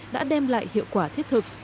đã đem lại hiệu quả thiết thực